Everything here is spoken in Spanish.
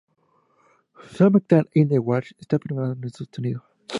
Something in the Way está afinada en Do Sostenido.